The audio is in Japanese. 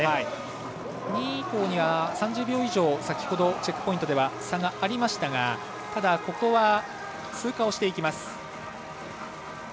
２位以降には３０秒以上先ほどのチェックポイントでは差がありましたがここは通過していきます。